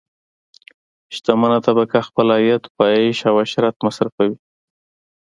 شتمنه طبقه خپل عاید په عیش او عشرت مصرفوي.